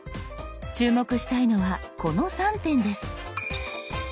注目したいのはこの３点です。